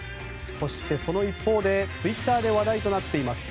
そして、その一方でツイッターで話題となっています